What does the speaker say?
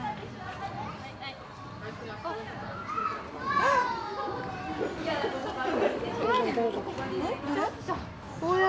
あっ！